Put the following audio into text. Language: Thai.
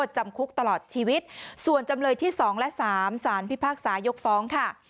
จำคุกตลอดชีวิตส่วนจำเลยที่๒และ๓สารพิพากษายกฟ้องค่ะ